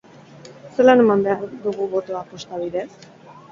Zelan eman behar dugu botoa posta bidez?